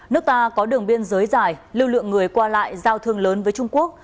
nước ta có đường biên giới dài lưu lượng người qua lại giao thương lớn với trung quốc